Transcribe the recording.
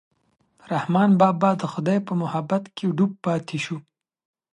رحمان بابا د خدای په محبت کې ډوب پاتې شو.